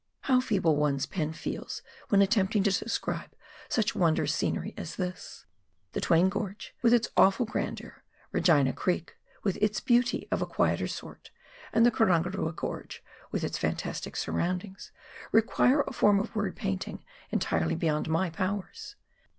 flow feeble one's pen feels when attempting to describe such wondrous scenery as this ! The Twain Gorge, with its awful grandeur, Regina Creek, with its beauty of a quieter sort, and the Karangarua Gorge, with its fantastic surroundings, require a form of word painting entirely beyond my powers.